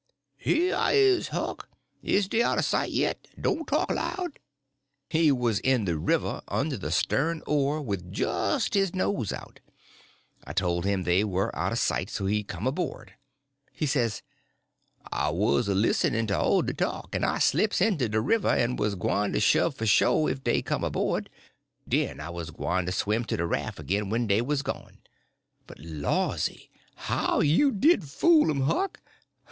"Here I is, Huck. Is dey out o' sight yit? Don't talk loud." He was in the river under the stern oar, with just his nose out. I told him they were out of sight, so he come aboard. He says: "I was a listenin' to all de talk, en I slips into de river en was gwyne to shove for sho' if dey come aboard. Den I was gwyne to swim to de raf' agin when dey was gone. But lawsy, how you did fool 'em, Huck!